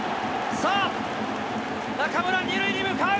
さあ、中村、２塁に向かう。